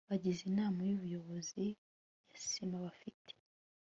bagize inama y ubuyobozi ya cma bafite